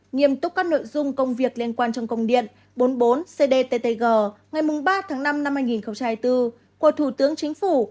nghiêm túc các nội dung công việc liên quan trong công điện bốn mươi bốn cdttg ngày ba tháng năm năm hai nghìn hai mươi bốn của thủ tướng chính phủ